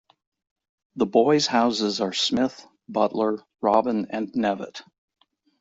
The boys' houses are Smith, Butler, Robin and Nevett.